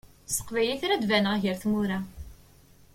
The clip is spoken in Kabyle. S teqbaylit ara d-baneɣ gar tmura.